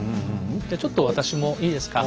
じゃちょっと私もいいですか？